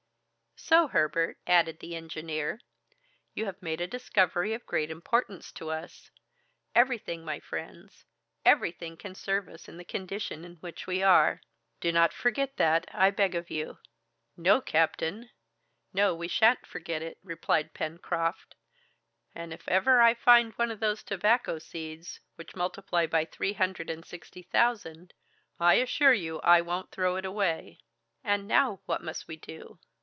"So, Herbert," added the engineer, "you have made a discovery of great importance to us. Everything, my friends, everything can serve us in the condition in which we are. Do not forget that, I beg of you." "No, captain, no, we shan't forget it," replied Pencroft; "and if ever I find one of those tobacco seeds, which multiply by three hundred and sixty thousand, I assure you I won't throw it away! And now, what must we do?"